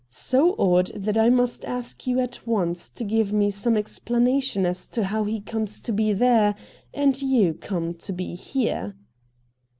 So odd that I must ask you at once to give me some explanation as to how he comes to be there, and you come to be here.'